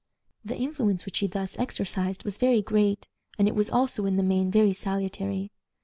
The influence which she thus exercised was very great, and it was also, in the main, very salutary.